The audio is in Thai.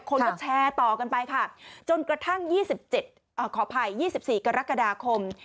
คนก็แชร์ต่อกันไปค่ะจนกระทั่ง๒๔กรกฎาคม